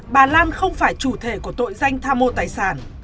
bà lan không phải chủ thể của tội danh tham mô tài sản